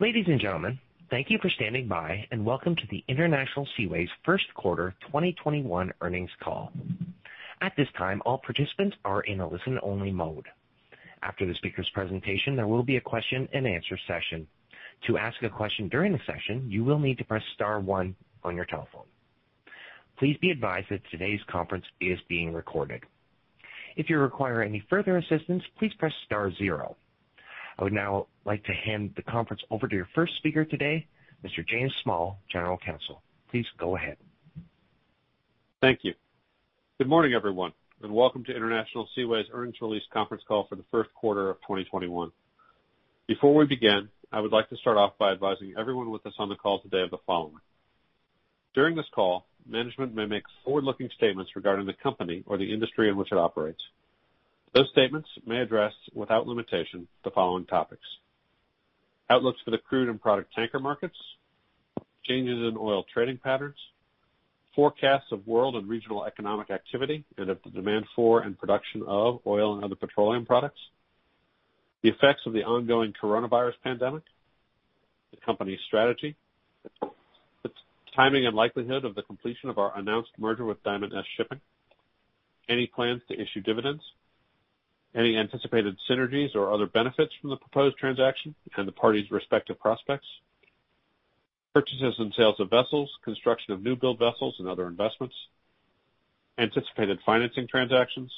Ladies and gentlemen, thank you for standing by and welcome to the International Seaways first quarter 2021 earnings call. At this time, all participants are in a listen-only mode. After the speaker's presentation, there will be a question-and-answer session. To ask a question during the session, you will need to press star one on your telephone. Please be advised that today's conference is being recorded. If you require any further assistance, please press star zero. I would now like to hand the conference over to your first speaker today, Mr. James Small, General Counsel. Please go ahead. Thank you. Good morning, everyone, and welcome to International Seaways earnings release conference call for the first quarter of 2021. Before we begin, I would like to start off by advising everyone with us on the call today of the following. During this call, management may make forward-looking statements regarding the company or the industry in which it operates. Those statements may address, without limitation, the following topics: outlooks for the crude and product tanker markets, changes in oil trading patterns, forecasts of world and regional economic activity, and of the demand for and production of oil and other petroleum products, the effects of the ongoing coronavirus pandemic, the company's strategy, the timing and likelihood of the completion of our announced merger with Diamond S Shipping, any plans to issue dividends, any anticipated synergies or other benefits from the proposed transaction and the parties' respective prospects, purchases and sales of vessels, construction of new-build vessels, and other investments, anticipated financing transactions,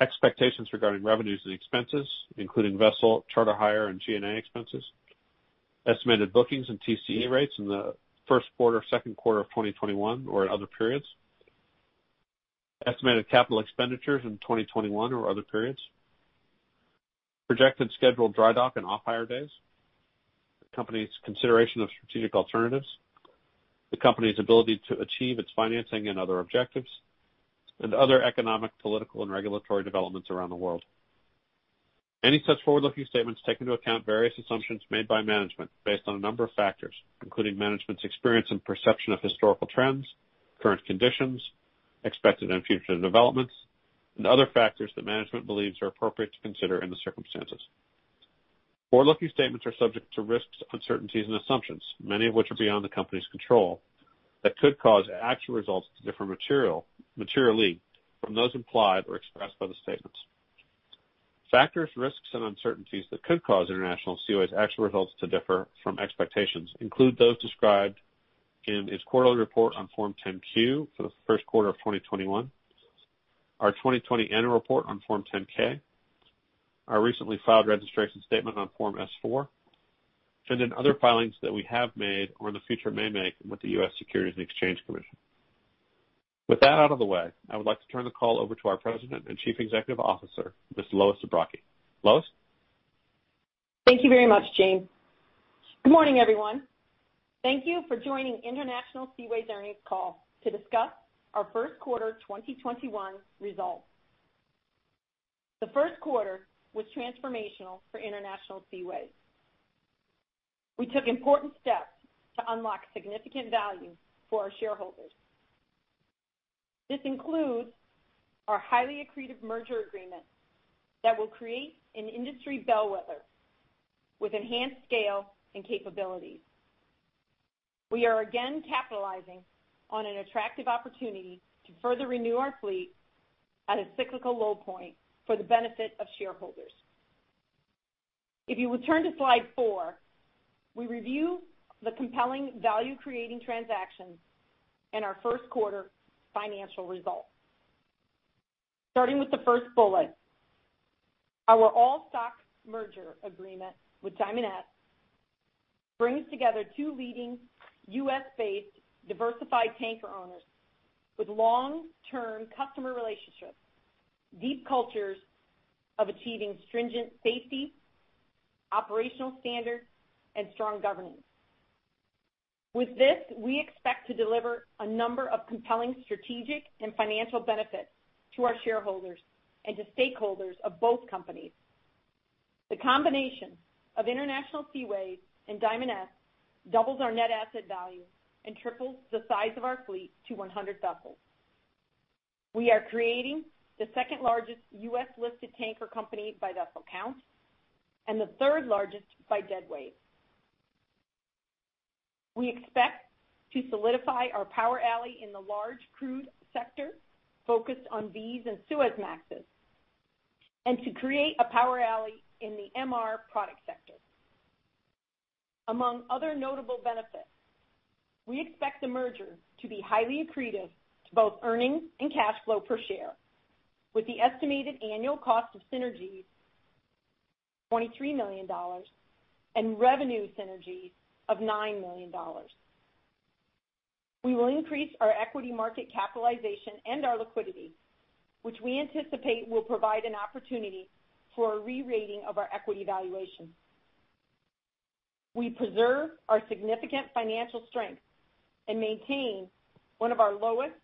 expectations regarding revenues and expenses, including vessel, charter hire, and G&A expenses, estimated bookings and TCE rates in the first quarter, second quarter of 2021, or at other periods, estimated capital expenditures in 2021 or other periods, projected scheduled dry dock and off-hire days, the company's consideration of strategic alternatives, the company's ability to achieve its financing and other objectives, and other economic, political, and regulatory developments around the world. Any such forward-looking statements take into account various assumptions made by management based on a number of factors, including management's experience and perception of historical trends, current conditions, expected and future developments, and other factors that management believes are appropriate to consider in the circumstances. Forward-looking statements are subject to risks, uncertainties, and assumptions, many of which are beyond the company's control, that could cause actual results to differ materially from those implied or expressed by the statements. Factors, risks, and uncertainties that could cause International Seaways' actual results to differ from expectations include those described in its quarterly report on Form 10-Q for the first quarter of 2021, our 2020 annual report on Form 10-K, our recently filed registration statement on Form S-4, and in other filings that we have made or in the future may make with the U.S. Securities and Exchange Commission. With that out of the way, I would like to turn the call over to our President and Chief Executive Officer, Ms. Lois Zabrocky. Lois? Thank you very much, James. Good morning, everyone. Thank you for joining International Seaways earnings call to discuss our first quarter 2021 results. The first quarter was transformational for International Seaways. We took important steps to unlock significant value for our shareholders. This includes our highly accretive merger agreement that will create an industry bellwether with enhanced scale and capabilities. We are again capitalizing on an attractive opportunity to further renew our fleet at a cyclical low point for the benefit of shareholders. If you would turn to slide four, we review the compelling value-creating transactions and our first quarter financial results. Starting with the first bullet, our all-stock merger agreement with Diamond S brings together two leading U.S.-based diversified tanker owners with long-term customer relationships, deep cultures of achieving stringent safety, operational standards, and strong governance. With this, we expect to deliver a number of compelling strategic and financial benefits to our shareholders and to stakeholders of both companies. The combination of International Seaways and Diamond S doubles our net asset value and triples the size of our fleet to 100 vessels. We are creating the second-largest U.S.-listed tanker company by vessel count, and the third largest by deadweight. We expect to solidify our power alley in the large crude sector, focused on VLCCs and Suezmaxes, and to create a power alley in the MR product sector. Among other notable benefits, we expect the merger to be highly accretive to both earnings and cash flow per share, with the estimated annual cost of synergies $23 million and revenue synergies of $9 million. We will increase our equity market capitalization and our liquidity, which we anticipate will provide an opportunity for a re-rating of our equity valuation. We preserve our significant financial strength and maintain one of the lowest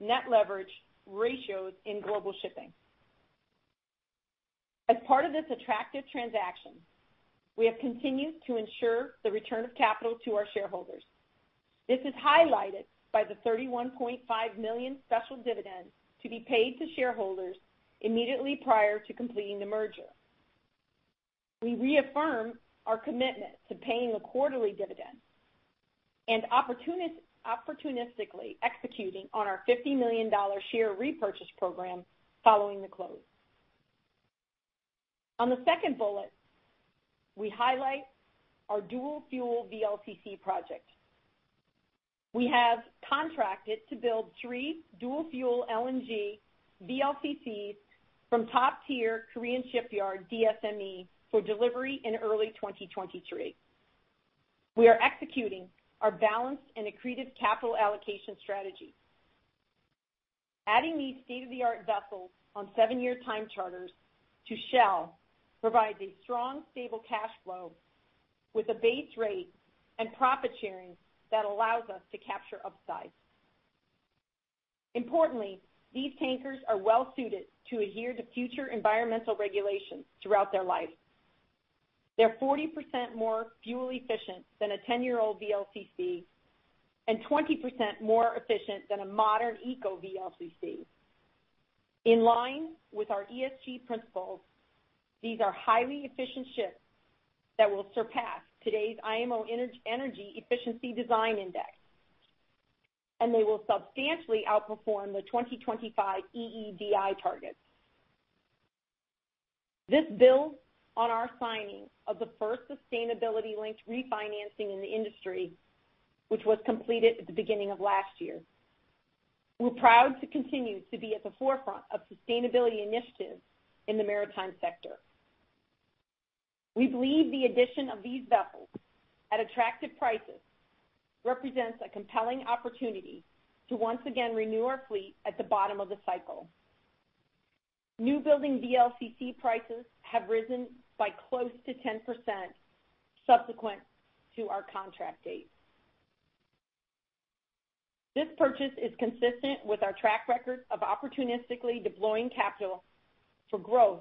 net leverage ratios in global shipping. As part of this attractive transaction, we have continued to ensure the return of capital to our shareholders. This is highlighted by the $31.5 million special dividend to be paid to shareholders immediately prior to completing the merger. We reaffirm our commitment to paying a quarterly dividend and opportunistically executing on our $50 million share repurchase program following the close. On the second bullet, we highlight our dual fuel VLCC project. We have contracted to build three dual fuel LNG VLCCs from top-tier Korean shipyard DSME for delivery in early 2023. We are executing our balanced and accretive capital allocation strategy. Adding these state-of-the-art vessels on seven-year time charters to Shell provides a strong, stable cash flow with a base rate and profit sharing that allows us to capture upside. Importantly, these tankers are well-suited to adhere to future environmental regulations throughout their life. They're 40% more fuel efficient than a 10-year-old VLCC, and 20% more efficient than a modern eco VLCC. In line with our ESG principles, these are highly efficient ships that will surpass today's IMO Energy Efficiency Design Index, and they will substantially outperform the 2025 EEDI targets. This builds on our signing of the first sustainability-linked refinancing in the industry, which was completed at the beginning of last year. We're proud to continue to be at the forefront of sustainability initiatives in the maritime sector. We believe the addition of these vessels, at attractive prices, represents a compelling opportunity to once again renew our fleet at the bottom of the cycle. New building VLCC prices have risen by close to 10% subsequent to our contract date. This purchase is consistent with our track record of opportunistically deploying capital for growth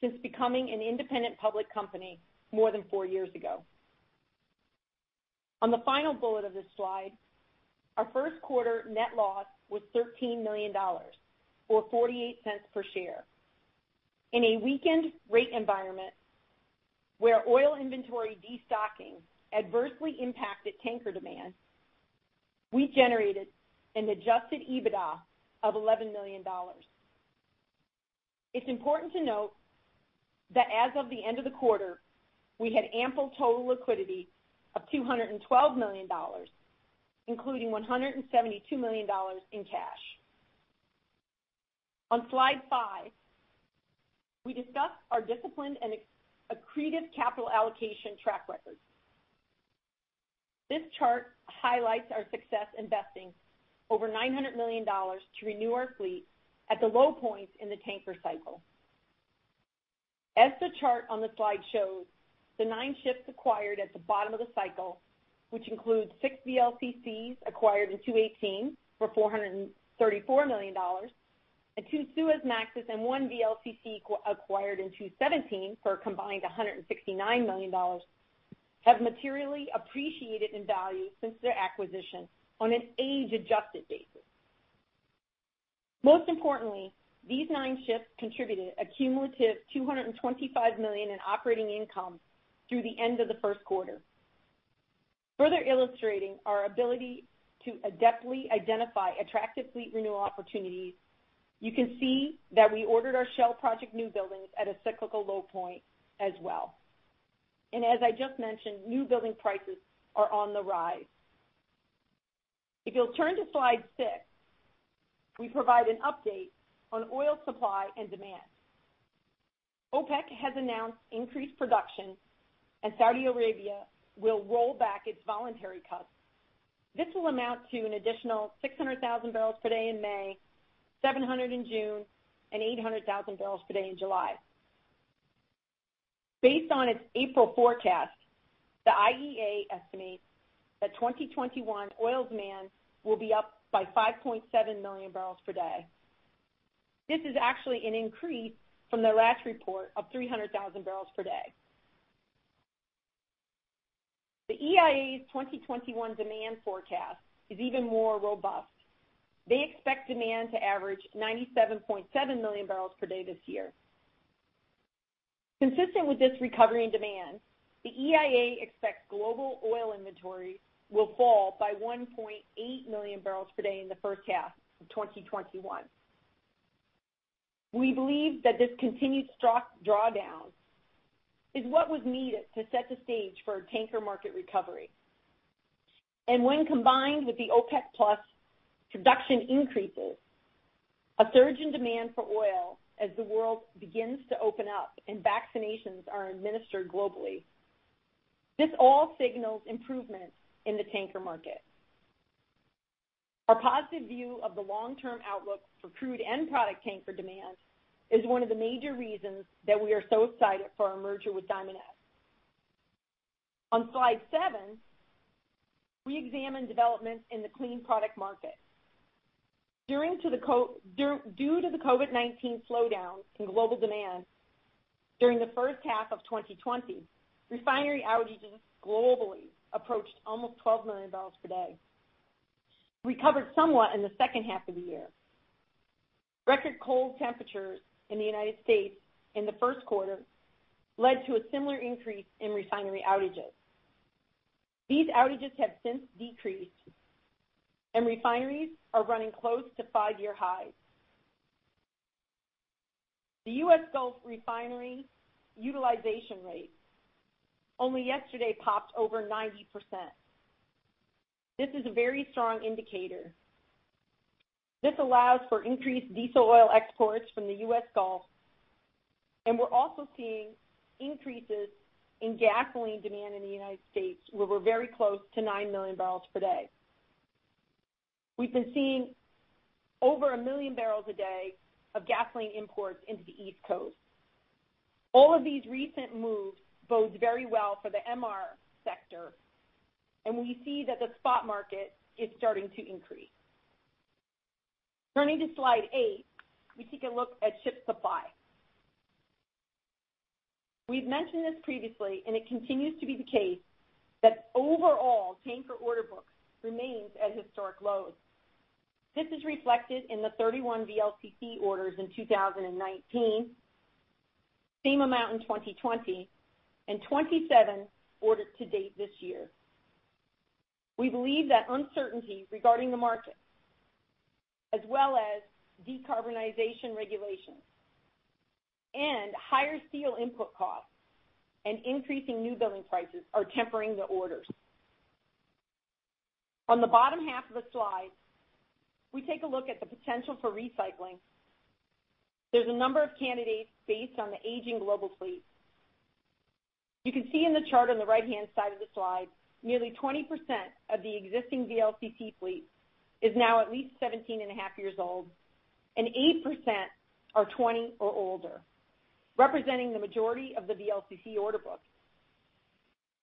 since becoming an independent public company more than four years ago. On the final bullet of this slide, our first quarter net loss was $13 million, or $0.48 per share. In a weakened rate environment, where oil inventory destocking adversely impacted tanker demand, we generated an adjusted EBITDA of $11 million. It's important to note that as of the end of the quarter, we had ample total liquidity of $212 million, including $172 million in cash. On slide five, we discuss our disciplined and accretive capital allocation track record. This chart highlights our success investing over $900 million to renew our fleet at the low points in the tanker cycle. As the chart on the slide shows, the nine ships acquired at the bottom of the cycle, which includes six VLCCs acquired in 2018 for $434 million, and two Suezmaxes and one VLCC acquired in 2017 for a combined $169 million, have materially appreciated in value since their acquisition on an age-adjusted basis. Most importantly, these nine ships contributed a cumulative $225 million in operating income through the end of the first quarter. Further illustrating our ability to adeptly identify attractive fleet renewal opportunities, you can see that we ordered our Shell project newbuildings at a cyclical low point as well. As I just mentioned, new building prices are on the rise. If you'll turn to slide six, we provide an update on oil supply and demand. OPEC has announced increased production, and Saudi Arabia will roll back its voluntary cuts. This will amount to an additional 600,000 barrels per day in May, 700 in June, and 800,000 barrels per day in July. Based on its April forecast, the IEA estimates that 2021 oil demand will be up by 5.7 million barrels per day. This is actually an increase from their last report of 300,000 barrels per day. The EIA's 2021 demand forecast is even more robust. They expect demand to average 97.7 million barrels per day this year. Consistent with this recovery in demand, the EIA expects global oil inventory will fall by 1.8 million barrels per day in the first half of 2021. We believe that this continued stock drawdown is what was needed to set the stage for a tanker market recovery. When combined with the OPEC+ production increases, a surge in demand for oil as the world begins to open up and vaccinations are administered globally, this all signals improvements in the tanker market. Our positive view of the long-term outlook for crude and product tanker demand is one of the major reasons that we are so excited for our merger with Diamond S. On slide seven, we examine developments in the clean product market. Due to the COVID-19 slowdown in global demand during the first half of 2020, refinery outages globally approached almost 12 million barrels per day, recovered somewhat in the second half of the year. Record cold temperatures in the U.S. in the first quarter led to a similar increase in refinery outages. These outages have since decreased, and refineries are running close to five-year highs. The U.S. Gulf refinery utilization rate only yesterday popped over 90%. This is a very strong indicator. This allows for increased diesel oil exports from the U.S. Gulf. We're also seeing increases in gasoline demand in the United States, where we're very close to 9 million barrels per day. We've been seeing over 1 million barrels a day of gasoline imports into the East Coast. All of these recent moves bodes very well for the MR sector. We see that the spot market is starting to increase. Turning to slide eight, we take a look at ship supply. We've mentioned this previously. It continues to be the case that overall tanker order books remains at historic lows. This is reflected in the 31 VLCC orders in 2019, same amount in 2020, 27 orders to date this year. We believe that uncertainty regarding the market, as well as decarbonization regulations and higher steel input costs and increasing new building prices are tempering the orders. On the bottom half of the slide, we take a look at the potential for recycling. There's a number of candidates based on the aging global fleet. You can see in the chart on the right-hand side of the slide, nearly 20% of the existing VLCC fleet is now at least 17 and a half years old, and 8% are 20 or older, representing the majority of the VLCC order book.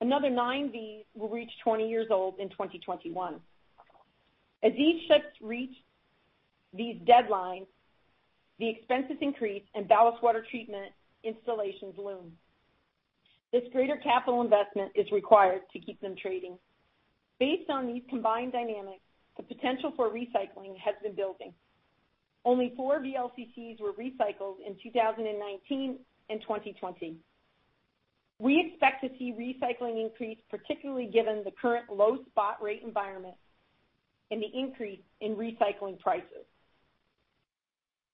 Another nine V will reach 20 years old in 2021. As these ships reach these deadlines, the expenses increase and ballast water treatment installations loom. This greater capital investment is required to keep them trading. Based on these combined dynamics, the potential for recycling has been building. Only four VLCCs were recycled in 2019 and 2020. We expect to see recycling increase, particularly given the current low spot rate environment and the increase in recycling prices.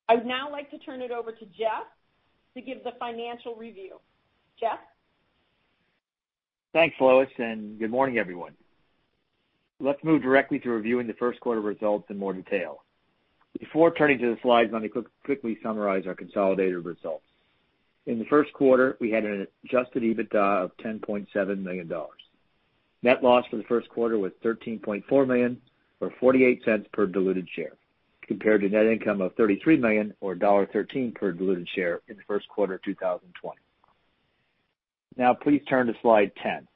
I would now like to turn it over to Jeff to give the financial review. Jeff? Thanks, Lois, and good morning, everyone. Let's move directly to reviewing the first quarter results in more detail. Before turning to the slides, let me quickly summarize our consolidated results. In the first quarter, we had an adjusted EBITDA of $10.7 million. Net loss for the first quarter was $13.4 million, or $0.48 per diluted share, compared to net income of $33 million or $1.13 per diluted share in the first quarter of 2020. Now, please turn to slide 10.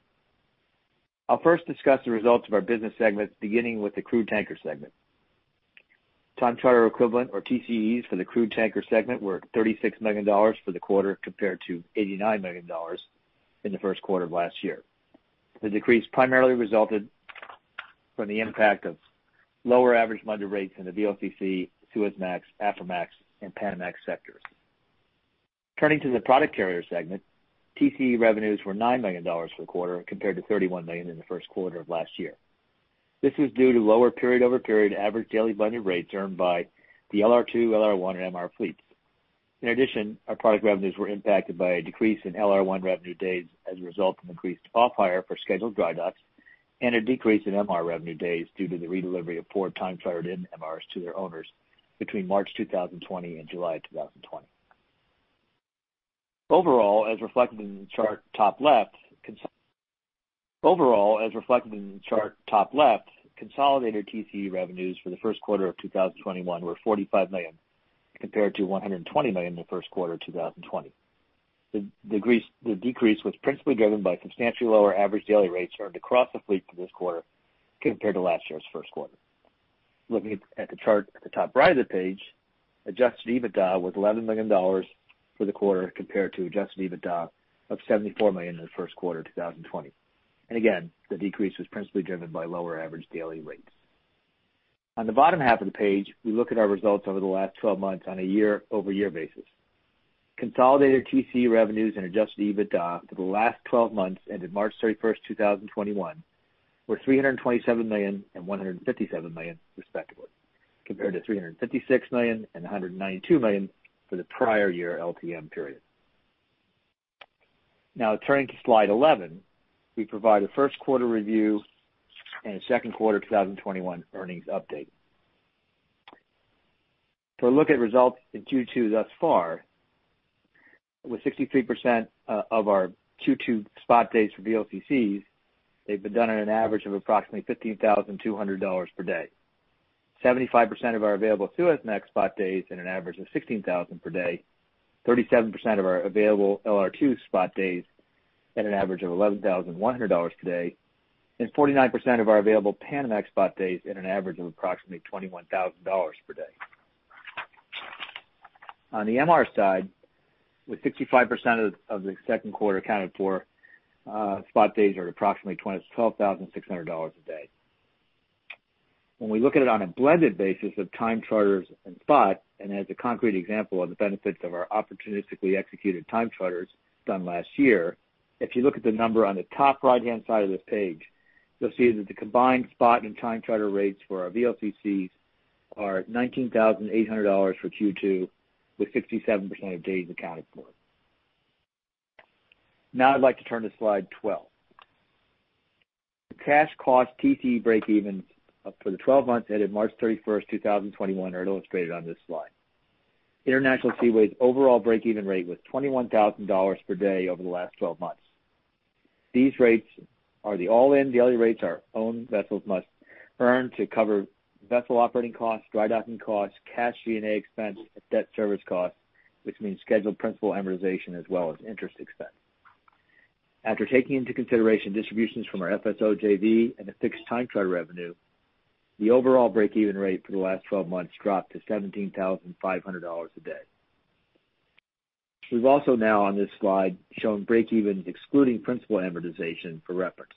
I'll first discuss the results of our business segments, beginning with the crude tanker segment. Time charter equivalent, or TCEs, for the crude tanker segment were $36 million for the quarter, compared to $89 million in the first quarter of last year. The decrease primarily resulted from the impact of lower average underlying rates in the VLCC, Suezmax, Aframax, and Panamax sectors. Turning to the product carrier segment, TCE revenues were $9 million for the quarter compared to $31 million in the first quarter of last year. This was due to lower period-over-period average daily blended rates earned by the LR2, LR1, and MR fleets. In addition, our product revenues were impacted by a decrease in LR1 revenue days as a result of increased off-hire for scheduled dry docks and a decrease in MR revenue days due to the redelivery of 4x chartered-in MRs to their owners between March 2020 and July 2020. Overall, as reflected in the chart top left, consolidated TCE revenues for the first quarter of 2021 were $45 million, compared to $120 million in the first quarter of 2020. The decrease was principally driven by substantially lower average daily rates earned across the fleet for this quarter compared to last year's first quarter. Looking at the chart at the top right of the page, adjusted EBITDA was $11 million for the quarter compared to adjusted EBITDA of $74 million in the first quarter of 2020. Again, the decrease was principally driven by lower average daily rates. On the bottom half of the page, we look at our results over the last 12 months on a year-over-year basis. Consolidated TCE revenues and adjusted EBITDA for the last 12 months ended March 31st, 2021 were $327 million and $157 million respectively compared to $356 million and $192 million for the prior year LTM period. Turning to slide 11, we provide a first quarter review and a second quarter 2021 earnings update. If we look at results in Q2 thus far, with 63% of our Q2 spot days for VLCCs, they've been done at an average of approximately $15,200 per day. 75% of our available Suezmax spot days at an average of $16,000 per day, 37% of our available LR2 spot days at an average of $11,100 per day. 49% of our available Panamax spot days at an average of approximately $21,000 per day. On the MR side, with 65% of the second quarter accounted for, spot days are approximately $12,600 a day. When we look at it on a blended basis of time charters and spot, and as a concrete example of the benefits of our opportunistically executed time charters done last year, if you look at the number on the top right-hand side of this page, you'll see that the combined spot and time charter rates for our VLCCs are $19,800 for Q2, with 67% of days accounted for. Now I'd like to turn to slide 12. The cash cost TCE breakevens for the 12 months ended March 31st, 2021, are illustrated on this slide. International Seaways' overall breakeven rate was $21,000 per day over the last 12 months. These rates are the all-in daily rates our owned vessels must earn to cover vessel operating costs, dry docking costs, cash G&A expense, and debt service cost, which means scheduled principal amortization as well as interest expense. After taking into consideration distributions from our FSO JV and the fixed time charter revenue, the overall breakeven rate for the last 12 months dropped to $17,500 a day. We've also now on this slide shown breakevens excluding principal amortization for reference.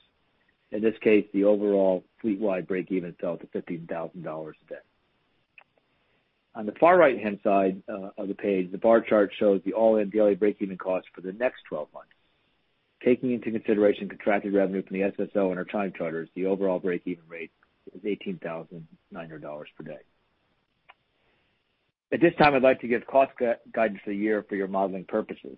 In this case, the overall fleet-wide breakeven fell to $15,000 a day. On the far right-hand side of the page, the bar chart shows the all-in daily breakeven cost for the next 12 months. Taking into consideration contracted revenue from the FSO and our time charters, the overall breakeven rate is $18,900 per day. At this time, I'd like to give cost guidance for the year for your modeling purposes.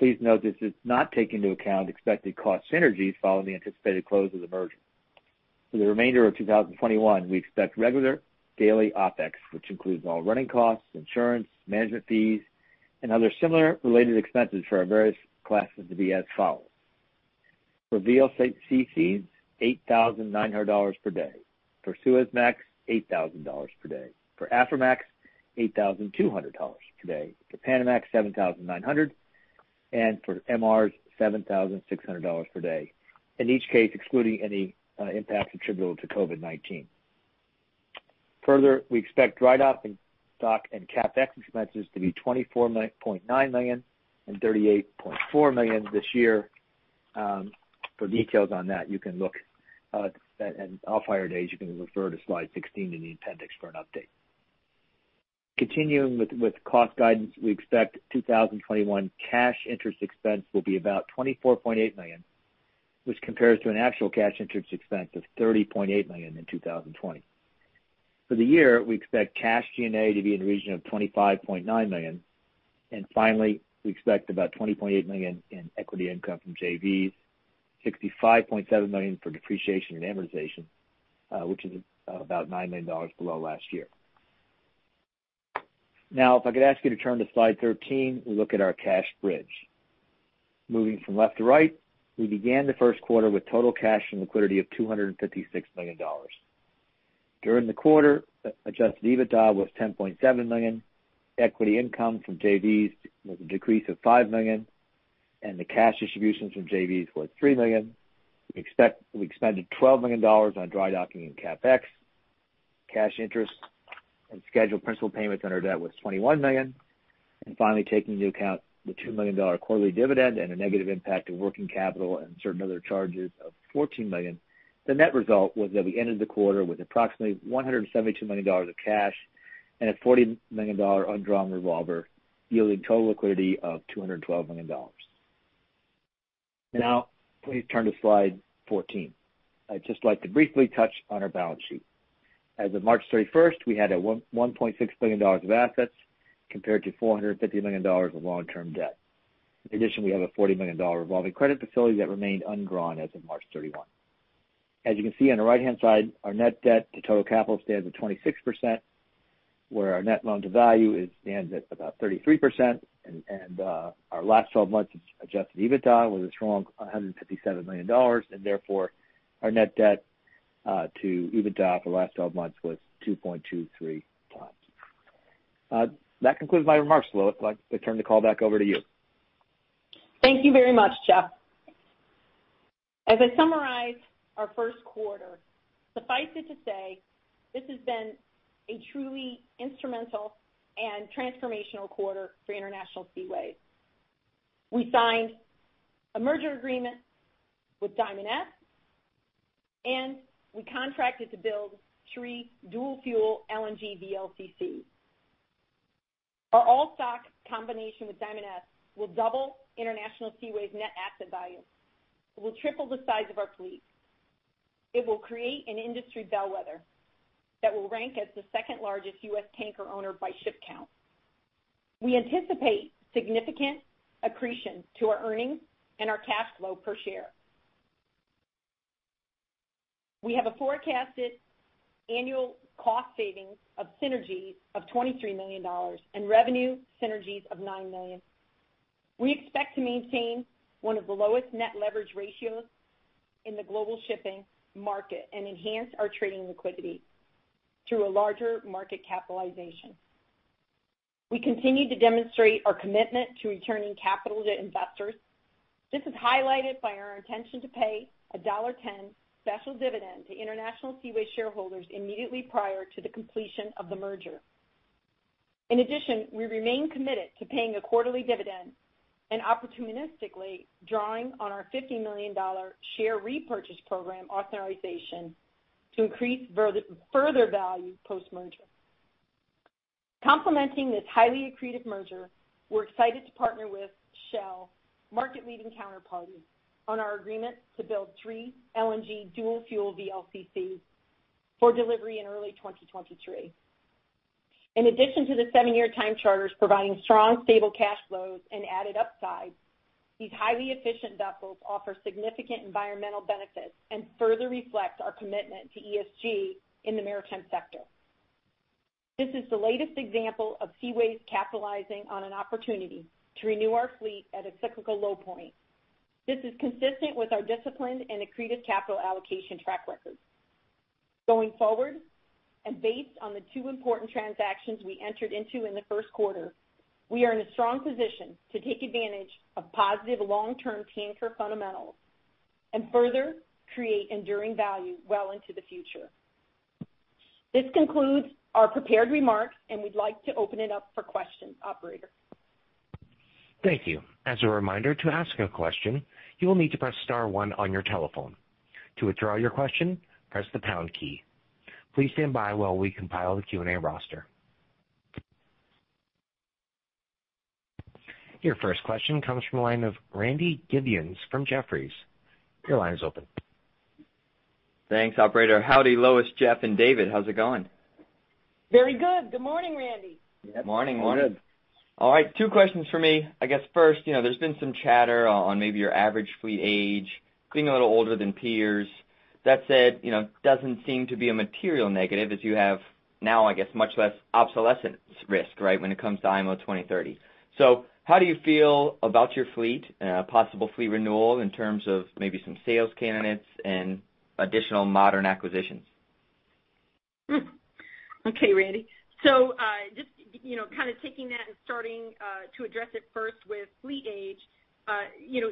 Please note this does not take into account expected cost synergies following the anticipated close of the merger. For the remainder of 2021, we expect regular daily OpEx, which includes all running costs, insurance, management fees, and other similar related expenses for our various classes to be as follows. For VLCCs, $8,900 per day. For Suezmax, $8,000 per day. For Aframax, $8,200 per day. For Panamax, $7,900. For MRs, $7,600 per day. In each case, excluding any impact attributable to COVID-19. Further, we expect dry docking, stock, and CapEx expenses to be $24.9 million and $38.4 million this year. For details on that and off-hire days, you can refer to slide 16 in the appendix for an update. Continuing with cost guidance, we expect 2021 cash interest expense will be about $24.8 million, which compares to an actual cash interest expense of $30.8 million in 2020. For the year, we expect cash G&A to be in the region of $25.9 million. Finally, we expect about $20.8 million in equity income from JVs, $65.7 million for depreciation and amortization, which is about $9 million below last year. Now, if I could ask you to turn to slide 13, we look at our cash bridge. Moving from left to right, we began the first quarter with total cash and liquidity of $256 million. During the quarter, adjusted EBITDA was $10.7 million. Equity income from JVs was a decrease of $5 million, and the cash distributions from JVs was $3 million. We expended $12 million on dry docking and CapEx. Cash interest and scheduled principal payments on our debt was $21 million. Finally, taking into account the $2 million quarterly dividend and the negative impact of working capital and certain other charges of $14 million, the net result was that we ended the quarter with approximately $172 million of cash and a $40 million undrawn revolver, yielding total liquidity of $212 million. Now, please turn to slide 14. I'd just like to briefly touch on our balance sheet. As of March 31st, we had $1.6 billion of assets compared to $450 million of long-term debt. In addition, we have a $40 million revolving credit facility that remained undrawn as of March 31. As you can see on the right-hand side, our net debt to total capital stands at 26%, where our net loan to value stands at about 33%, and our last 12 months adjusted EBITDA was a strong $157 million, and therefore, our net debt to EBITDA for the last 12 months was 2.23x. That concludes my remarks. Lois, I'd like to turn the call back over to you. Thank you very much, Jeff. As I summarize our first quarter, suffice it to say, this has been a truly instrumental and transformational quarter for International Seaways. We signed a merger agreement with Diamond S, and we contracted to build three dual-fuel LNG VLCCs. Our all-stock combination with Diamond S will double International Seaways' net asset value. It will triple the size of our fleet. It will create an industry bellwether that will rank as the second-largest U.S. tanker owner by ship count. We anticipate significant accretion to our earnings and our cash flow per share. We have a forecasted annual cost savings of synergies of $23 million and revenue synergies of $9 million. We expect to maintain one of the lowest net leverage ratios in the global shipping market and enhance our trading liquidity through a larger market capitalization. We continue to demonstrate our commitment to returning capital to investors. This is highlighted by our intention to pay a $1.10 special dividend to International Seaways shareholders immediately prior to the completion of the merger. In addition, we remain committed to paying a quarterly dividend and opportunistically drawing on our $50 million share repurchase program authorization to increase further value post-merger. Complementing this highly accretive merger, we're excited to partner with Shell, market-leading counterparty, on our agreement to build three LNG dual fuel VLCCs for delivery in early 2023. In addition to the seven-year time charters providing strong, stable cash flows and added upside, these highly efficient vessels offer significant environmental benefits and further reflect our commitment to ESG in the maritime sector. This is the latest example of Seaways capitalizing on an opportunity to renew our fleet at a cyclical low point. This is consistent with our disciplined and accretive capital allocation track record. Going forward, and based on the two important transactions we entered into in the first quarter, we are in a strong position to take advantage of positive long-term tanker fundamentals and further create enduring value well into the future. This concludes our prepared remarks, and we'd like to open it up for questions. Operator? Thank you. As a reminder, to ask your question, you will need to press star one on your telephone. To withdraw your question, press the pound key. Please stand by while we compile the Q&A roster. Your first question comes from the line of Randy Giveans from Jefferies. Your line is open. Thanks, operator. Howdy, Lois, Jeff, and David. How's it going? Very good. Good morning, Randy. Morning. Yep. Good morning. All right. Two questions from me. I guess first, there's been some chatter on maybe your average fleet age being a little older than peers. That said, doesn't seem to be a material negative as you have now, I guess, much less obsolescence risk, right, when it comes to IMO 2030. How do you feel about your fleet, possible fleet renewal in terms of maybe some sales candidates and additional modern acquisitions? Randy. Just kind of taking that and starting to address it first with fleet age.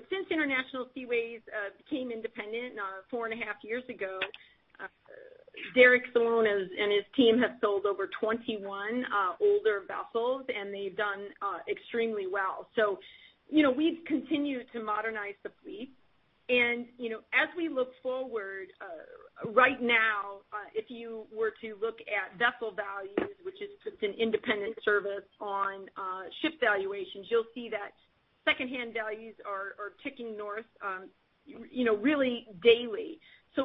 Since International Seaways became independent four and a half years ago, Derek Solon and his team have sold over 21 older vessels, and they've done extremely well. We've continued to modernize the fleet. As we look forward, right now, if you were to look at VesselsValue, which is just an independent service on ship valuations, you'll see that secondhand values are ticking north really daily.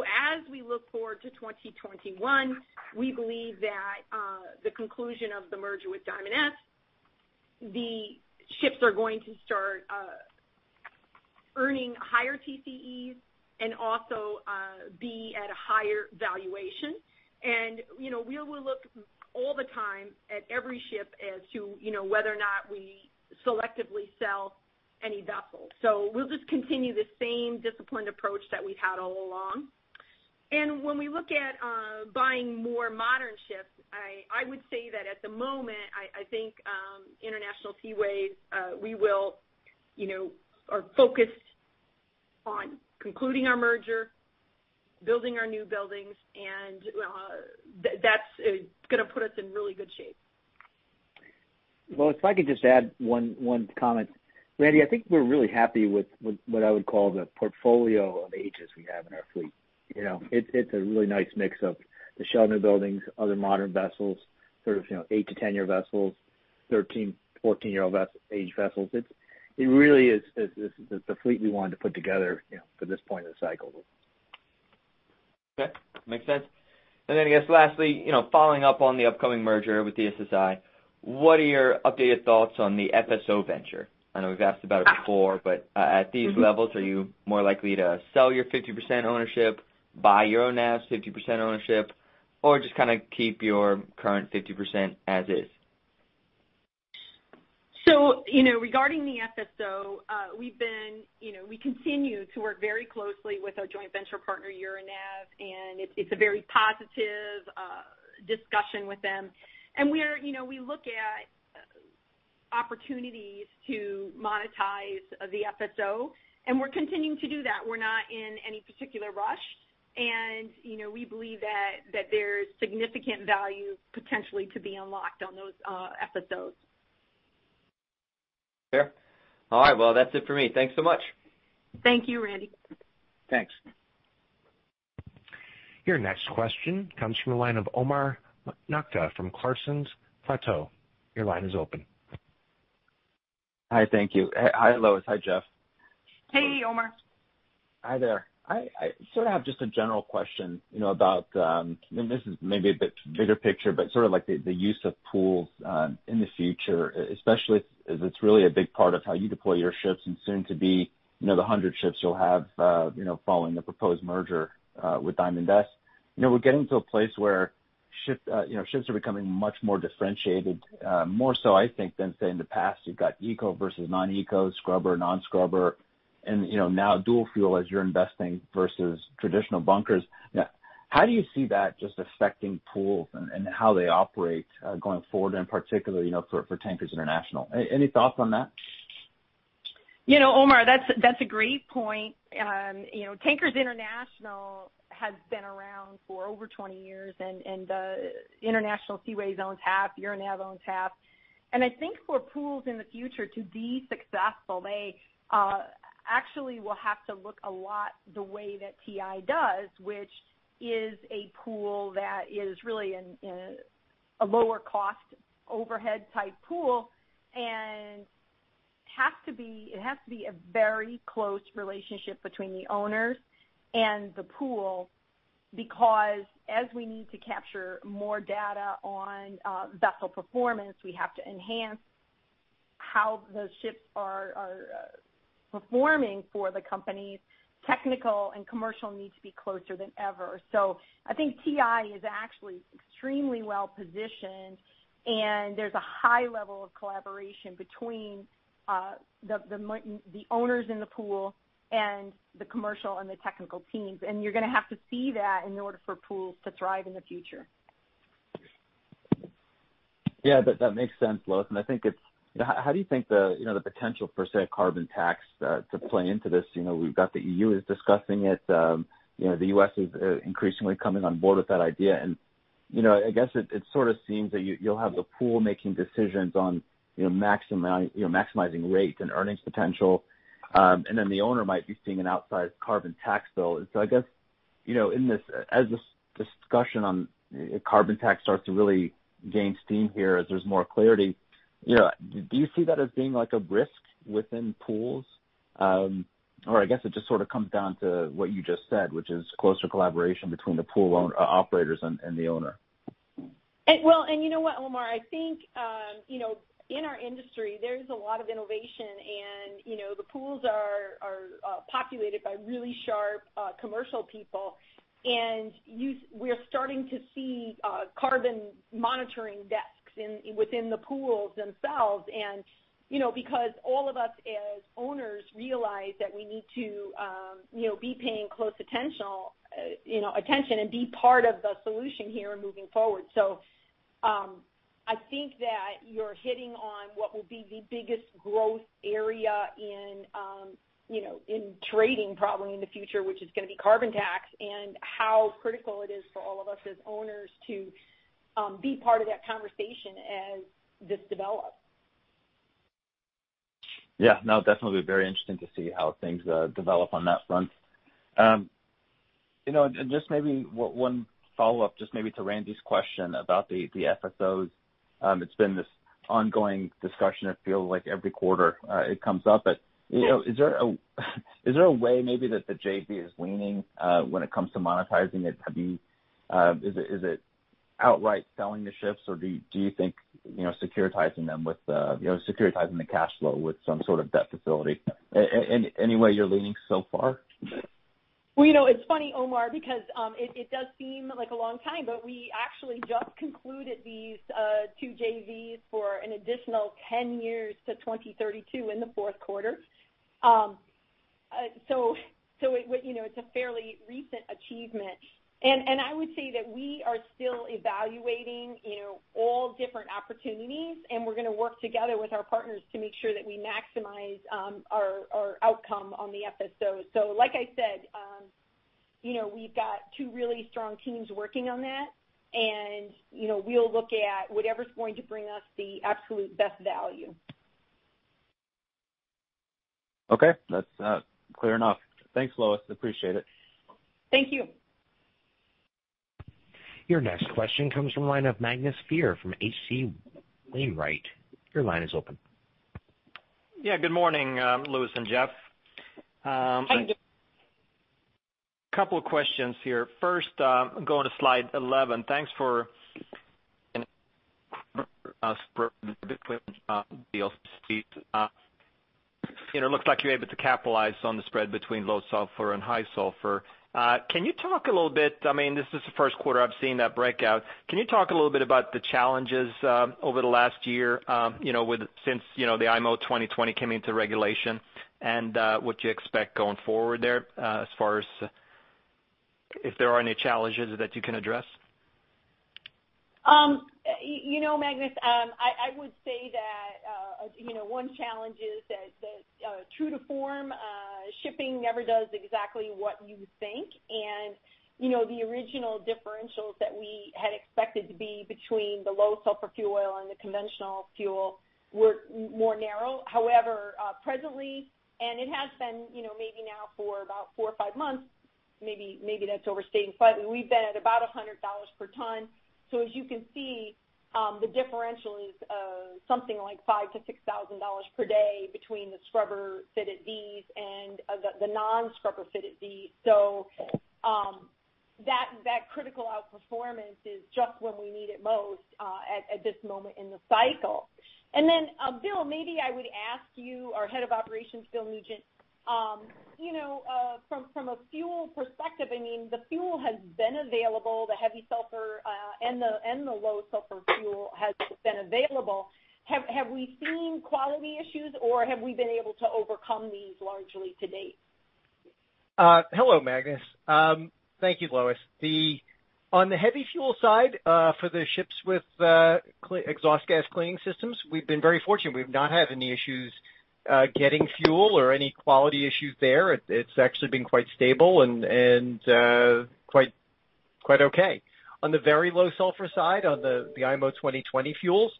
As we look forward to 2021, we believe that the conclusion of the merger with Diamond S, the ships are going to start earning higher TCEs and also be at a higher valuation. We will look all the time at every ship as to whether or not we selectively sell any vessels. We'll just continue the same disciplined approach that we've had all along. When we look at buying more modern ships, I would say that at the moment, I think International Seaways, we are focused on concluding our merger, building our new buildings, and that's going to put us in really good shape. Lois, if I could just add one comment. Randy, I think we're really happy with what I would call the portfolio of ages we have in our fleet. It's a really nice mix of the Shell new buildings, other modern vessels, sort of eight to 10-year vessels, 13, 14-year-old age vessels. It really is the fleet we wanted to put together for this point in the cycle. Okay. Makes sense. I guess lastly, following up on the upcoming merger with DSSI, what are your updated thoughts on the FSO venture? I know we've asked about it before, but at these levels, are you more likely to sell your 50% ownership, buy Euronav's 50% ownership, or just kind of keep your current 50% as is? Regarding the FSO, we continue to work very closely with our joint venture partner, Euronav, and it's a very positive discussion with them. We look at opportunities to monetize the FSO, and we're continuing to do that. We're not in any particular rush. We believe that there's significant value potentially to be unlocked on those FSOs. Fair. All right. Well, that's it for me. Thanks so much. Thank you, Randy. Thanks. Your next question comes from the line of Omar Nokta from Clarksons Platou. Your line is open. Hi. Thank you. Hi, Lois. Hi, Jeff. Hey, Omar. Hi there. I sort of have just a general question about, and this is maybe a bit bigger picture, but sort of like the use of pools in the future, especially as it's really a big part of how you deploy your ships and soon to be the 100 ships you'll have following the proposed merger with Diamond S. We're getting to a place where ships are becoming much more differentiated, more so I think than, say, in the past. You've got eco versus non-eco, scrubber, non-scrubber, and now dual fuel as you're investing versus traditional bunkers. How do you see that just affecting pools and how they operate going forward, and particularly for Tankers International? Any thoughts on that? Omar, that's a great point. Tankers International has been around for over 20 years, the International Seaways owns half, Euronav owns half. I think for pools in the future to be successful, they actually will have to look a lot the way that TI does, which is a pool that is really a lower cost overhead type pool, and it has to be a very close relationship between the owners and the pool, because as we need to capture more data on vessel performance, we have to enhance how the ships are performing for the company's technical and commercial needs to be closer than ever. I think TI is actually extremely well-positioned, and there's a high level of collaboration between the owners in the pool and the commercial and the technical teams. You're going to have to see that in order for pools to thrive in the future. Yeah. That makes sense, Lois. How do you think the potential for, say, a carbon tax to play into this? We've got the EU is discussing it. The U.S. is increasingly coming on board with that idea. I guess it sort of seems that you'll have the pool making decisions on maximizing rates and earnings potential, and then the owner might be seeing an outside carbon tax bill. I guess as this discussion on carbon tax starts to really gain steam here, as there's more clarity, do you see that as being like a risk within pools? I guess it just sort of comes down to what you just said, which is closer collaboration between the pool operators and the owner. You know what, Omar? I think, in our industry, there's a lot of innovation, the pools are populated by really sharp commercial people. We're starting to see carbon monitoring desks within the pools themselves. Because all of us as owners realize that we need to be paying close attention and be part of the solution here in moving forward. I think that you're hitting on what will be the biggest growth area in trading probably in the future, which is going to be carbon tax and how critical it is for all of us as owners to be part of that conversation as this develops. Yeah. No, definitely very interesting to see how things develop on that front. Just maybe one follow-up, just maybe to Randy's question about the FSOs. It's been this ongoing discussion, it feels like every quarter it comes up. Is there a way maybe that the JV is leaning when it comes to monetizing it? Is it outright selling the ships, or do you think securitizing the cash flow with some sort of debt facility? Any way you're leaning so far? Well, it's funny, Omar, because it does seem like a long time, but we actually just concluded these two JVs for an additional 10 years to 2032 in the fourth quarter. It's a fairly recent achievement. I would say that we are still evaluating all different opportunities, and we're going to work together with our partners to make sure that we maximize our outcome on the FSO. Like I said, we've got two really strong teams working on that, and we'll look at whatever's going to bring us the absolute best value. Okay. That's clear enough. Thanks, Lois. Appreciate it. Thank you. Your next question comes from line of Magnus Fyhr from HC Wainwright. Your line is open. Yeah. Good morning, Lois and Jeff. Hi, Magnus. A couple of questions here. First, going to slide 11. It looks like you're able to capitalize on the spread between low sulfur and high sulfur. This is the first quarter I've seen that breakout. Can you talk a little bit about the challenges over the last year since the IMO 2020 came into regulation and what you expect going forward there, as far as if there are any challenges that you can address? Magnus, I would say that one challenge is that true to form, shipping never does exactly what you think, the original differentials that we had expected to be between the low sulfur fuel oil and the conventional fuel were more narrow. However, presently, and it has been maybe now for about four or five months, maybe that's overstating, but we've been at about $100 per ton. As you can see, the differential is something like $5,000-$6,000 per day between the scrubber-fitted VLCCs and the non-scrubber fitted VLCC. That critical outperformance is just when we need it most at this moment in the cycle. Bill, maybe I would ask you, our head of operations, Bill Nugent, from a fuel perspective, the fuel has been available, the heavy sulfur and the low sulfur fuel has been available. Have we seen quality issues, or have we been able to overcome these largely to date? Hello, Magnus. Thank you, Lois. On the heavy fuel side, for the ships with exhaust gas cleaning systems, we've been very fortunate. We've not had any issues getting fuel or any quality issues there. It's actually been quite stable and quite okay. On the very low sulfur side, on the IMO 2020 fuels,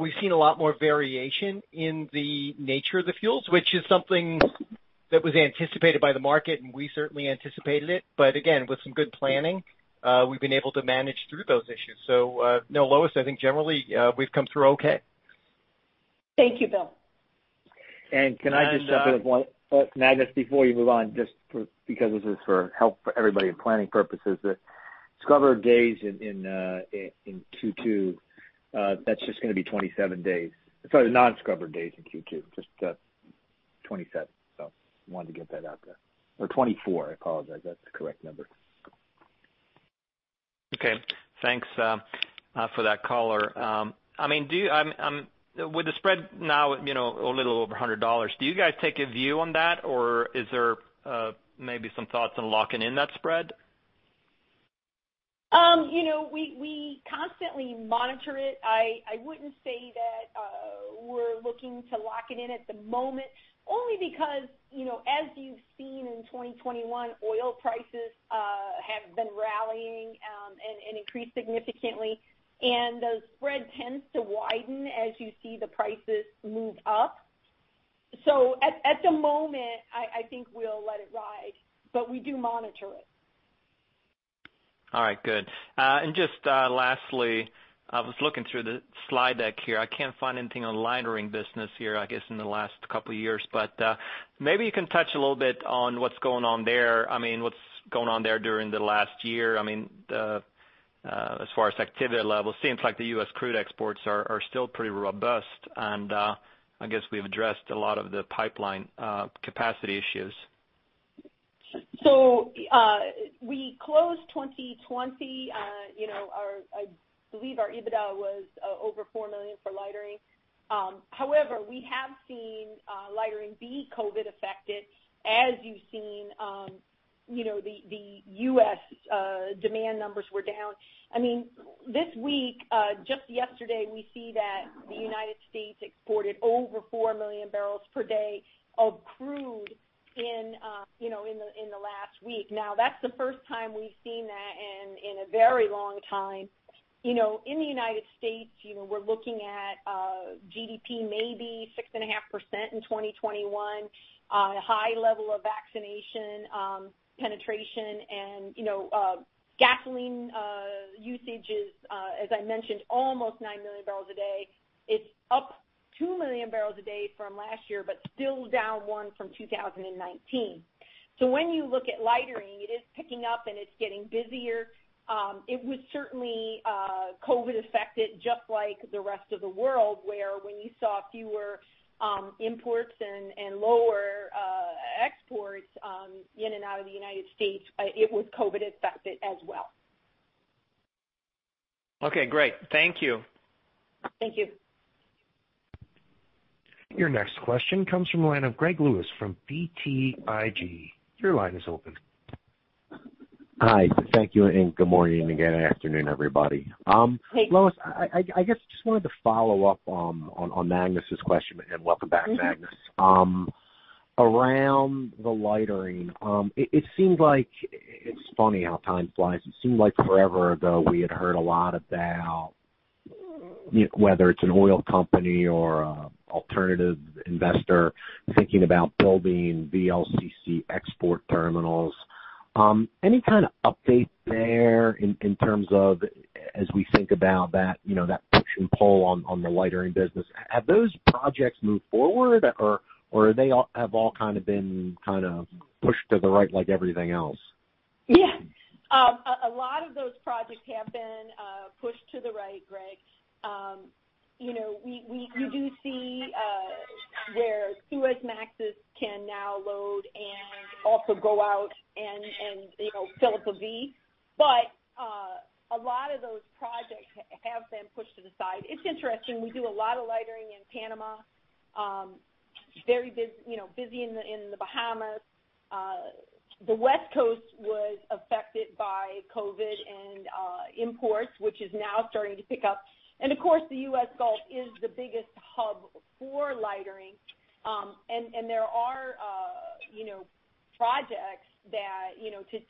we've seen a lot more variation in the nature of the fuels, which is something that was anticipated by the market, and we certainly anticipated it. Again, with some good planning, we've been able to manage through those issues. No, Lois, I think generally, we've come through okay. Thank you, Bill. Can I just jump in, Magnus, before you move on, just because this is for help for everybody and planning purposes, the scrubber days in Q2, that's just going to be 27 days. Sorry, the non-scrubber days in Q2. Just 27. Wanted to get that out there. Or 24. I apologize. That's the correct number. Okay. Thanks for that color. With the spread now a little over $100, do you guys take a view on that, or is there maybe some thoughts on locking in that spread? We constantly monitor it. I wouldn't say that we're looking to lock it in at the moment, only because, as you've seen in 2021, oil prices have been rallying and increased significantly, and the spread tends to widen as you see the prices move up. At the moment, I think we'll let it ride, but we do monitor it. All right, good. Just lastly, I was looking through the slide deck here. I can't find anything on lightering business here, I guess, in the last couple of years. Maybe you can touch a little bit on what's going on there. What's going on there during the last year as far as activity level? Seems like the U.S. crude exports are still pretty robust, and I guess we've addressed a lot of the pipeline capacity issues. We closed 2020. I believe our EBITDA was over $4 million for lightering. However, we have seen lightering be COVID affected, as you've seen the U.S. demand numbers were down. This week, just yesterday, we see that the United States exported over 4 million barrels per day of crude in the last week. That's the first time we've seen that in a very long time. In the United States, we're looking at GDP may be 6.5% in 2021. High level of vaccination penetration and gasoline usage is, as I mentioned, almost 9 million barrels a day. It's up 2 million barrels a day from last year, but still down one from 2019. When you look at lightering, it is picking up, and it's getting busier. It was certainly COVID affected, just like the rest of the world, where when you saw fewer imports and lower exports in and out of the United States, it was COVID affected as well. Okay, great. Thank you. Thank you. Your next question comes from the line of Greg Lewis from BTIG. Your line is open. Hi. Thank you, and good morning again. Afternoon, everybody. Hey. Lois, I just wanted to follow up on Magnus's question, and welcome back, Magnus. Around the lightering, it seemed like it's funny how time flies. It seemed like forever ago we had heard a lot about whether it's an oil company or an alternative investor thinking about building VLCC export terminals. Any kind of update there in terms of as we think about that push and pull on the lightering business? Have those projects moved forward, or they have all kind of been pushed to the right like everything else? Yeah. A lot of those projects have been pushed to the right, Greg. We do see where Suezmaxes can now load and also go out and fill up a VLCC. A lot of those projects have been pushed to the side. It's interesting. We do a lot of lightering in Panama. Very busy in the Bahamas. The West Coast was affected by COVID and imports, which is now starting to pick up. Of course, the U.S. Gulf is the biggest hub for lightering. There are projects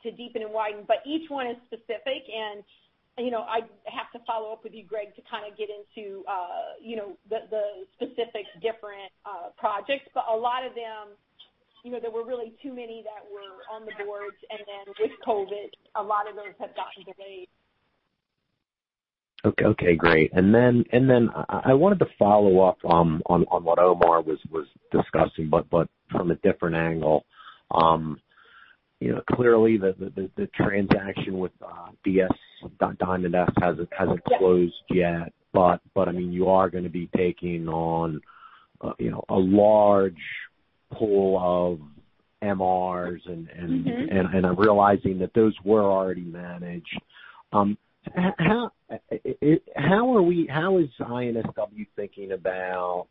to deepen and widen, but each one is specific, and I have to follow up with you, Greg, to kind of get into the specific different projects. A lot of them, there were really too many that were on the boards, and then with COVID, a lot of those have gotten delayed. Okay, great. I wanted to follow up on what Omar was discussing, but from a different angle. Clearly the transaction with Diamond S hasn't closed yet. You are going to be taking on a large pool of MRs and I'm realizing that those were already managed. How is INSW thinking about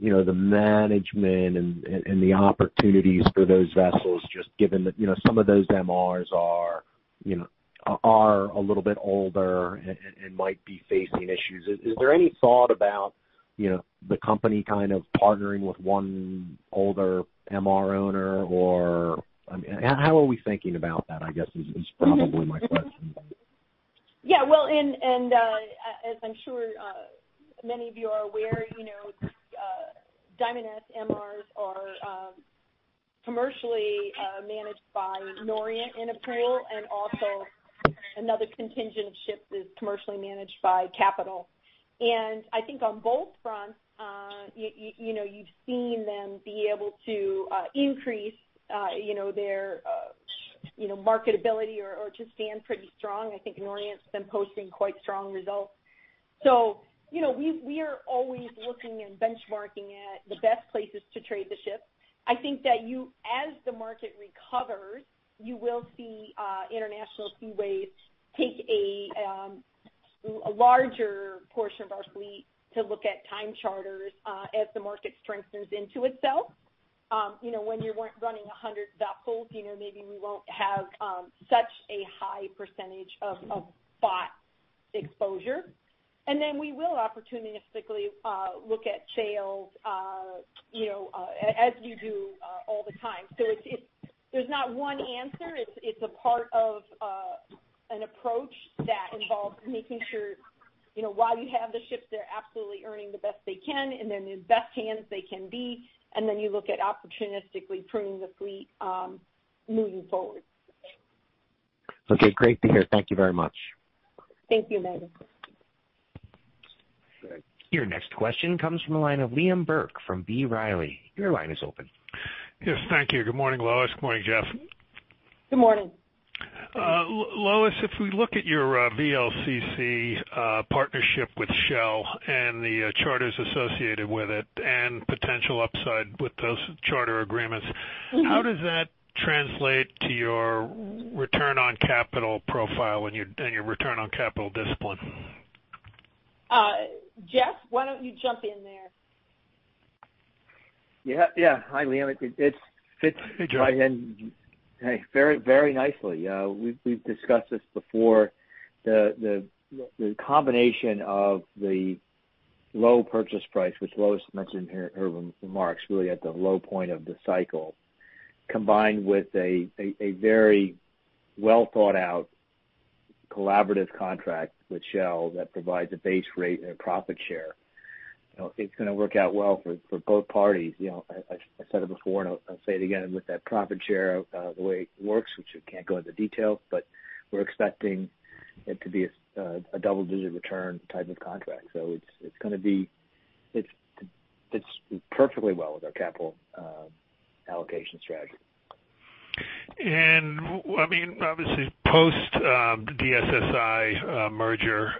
the management and the opportunities for those vessels, just given that some of those MRs are a little bit older and might be facing issues? Is there any thought about the company partnering with one older MR owner? How are we thinking about that, I guess, is probably my question. Yeah. Well, as I'm sure many of you are aware, Diamond S MRs are commercially managed by Norient in a pool, also another contingent ship is commercially managed by Capital. I think on both fronts, you've seen them be able to increase their marketability or just stand pretty strong. I think Norient's been posting quite strong results. We are always looking and benchmarking at the best places to trade the ships. I think that as the market recovers, you will see International Seaways take a larger portion of our fleet to look at time charters as the market strengthens into itself. When you're running 100 vessels, maybe we won't have such a high percentage of spot exposure. Then we will opportunistically look at sales as you do all the time. There's not one answer. It's a part of an approach that involves making sure while you have the ships, they're absolutely earning the best they can and they're in the best hands they can be, and then you look at opportunistically pruning the fleet moving forward. Okay, great to hear. Thank you very much. Thank you. Your next question comes from the line of Liam Burke from B. Riley. Your line is open. Yes, thank you. Good morning, Lois. Good morning, Jeff. Good morning. Lois, if we look at your VLCC partnership with Shell and the charters associated with it and potential upside with those charter agreements. How does that translate to your return on capital profile and your return on capital discipline? Jeff, why don't you jump in there? Yeah. Hi, Liam. Hey, Jeff. very nicely. We've discussed this before. The combination of the low purchase price, which Lois mentioned here in her remarks, really at the low point of the cycle, combined with a very well-thought-out collaborative contract with Shell that provides a base rate and a profit share. It's going to work out well for both parties. I said it before and I'll say it again, with that profit share, the way it works, which we can't go into detail, but we're expecting it to be a double-digit return type of contract. It fits perfectly well with our capital allocation strategy. Obviously, post-DSSI merger,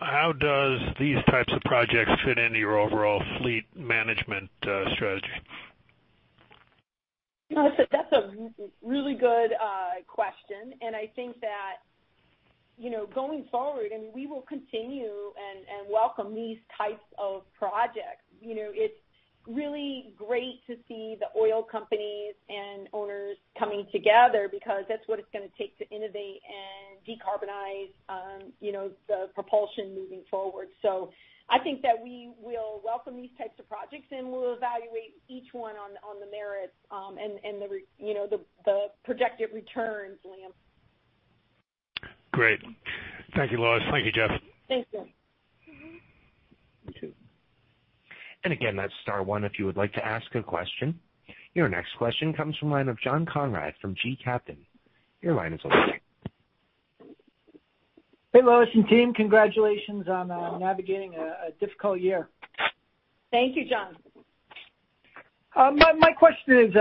how do these types of projects fit into your overall fleet management strategy? That's a really good question. I think that going forward, and we will continue and welcome these types of projects. It's really great to see the oil companies and owners coming together because that's what it's going to take to innovate and decarbonize the propulsion moving forward. I think that we will welcome these types of projects, and we'll evaluate each one on the merits and the projected returns, Liam. Great. Thank you, Lois. Thank you, Jeff. Thanks, Liam. Again, that's star one if you would like to ask a question. Your next question comes from the line of John Konrad from gCaptain. Your line is open. Hey, Lois and team. Congratulations on navigating a difficult year. Thank you, John. My question is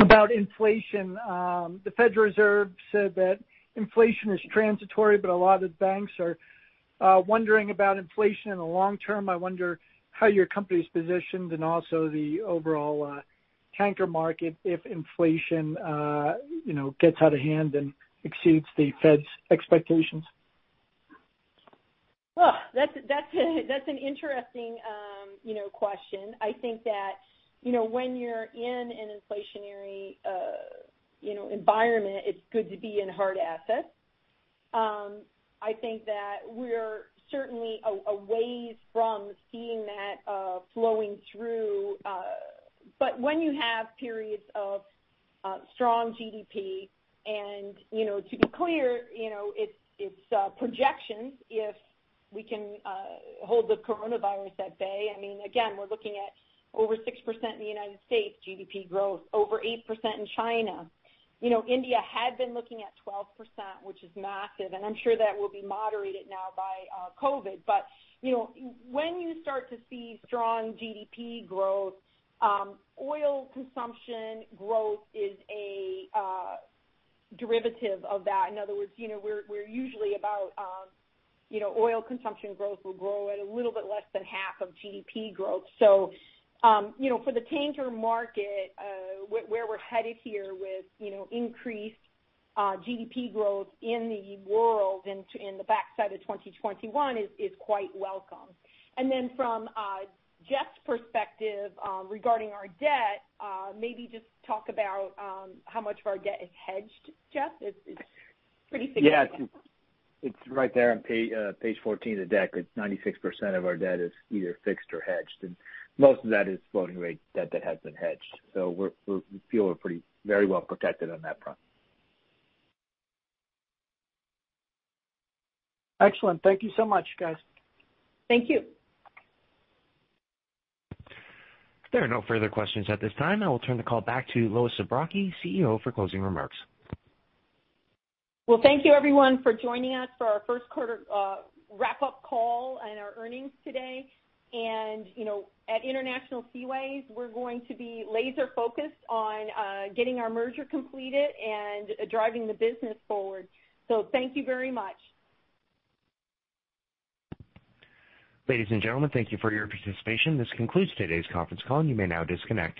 about inflation. The Federal Reserve said that inflation is transitory, but a lot of banks are wondering about inflation in the long term. I wonder how your company's positioned and also the overall tanker market if inflation gets out of hand and exceeds the Fed's expectations. That's an interesting question. I think that when you're in an inflationary environment, it's good to be in hard assets. I think that we're certainly a ways from seeing that flowing through. When you have periods of strong GDP, and to be clear, it's projections, if we can hold the coronavirus at bay. Again, we're looking at over 6% in the United States GDP growth, over 8% in China. India had been looking at 12%, which is massive, and I'm sure that will be moderated now by COVID. When you start to see strong GDP growth, oil consumption growth is a derivative of that. In other words, oil consumption growth will grow at a little bit less than half of GDP growth. For the tanker market, where we're headed here with increased GDP growth in the world and in the backside of 2021 is quite welcome. From Jeff's perspective regarding our debt, maybe just talk about how much of our debt is hedged, Jeff? It's pretty significant. Yeah. It's right there on page 14 of the deck. It's 96% of our debt is either fixed or hedged, and most of that is floating-rate debt that has been hedged. We feel we're very well protected on that front. Excellent. Thank you so much, guys. Thank you. There are no further questions at this time. I will turn the call back to Lois Zabrocky, CEO, for closing remarks. Well, thank you everyone for joining us for our first quarter wrap-up call and our earnings today. At International Seaways, we're going to be laser-focused on getting our merger completed and driving the business forward. Thank you very much. Ladies and gentlemen, thank you for your participation. This concludes today's conference call. You may now disconnect.